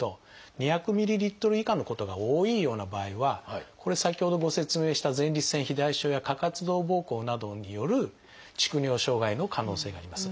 ２００ｍＬ以下のことが多いような場合はこれ先ほどご説明した前立腺肥大症や過活動ぼうこうなどによる蓄尿障害の可能性があります。